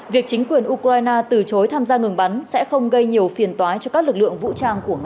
việc chính quyền ukraine từ chối tham gia ngừng bắn sẽ không gây nhiều phiền toái cho các lực lượng vũ trang của nga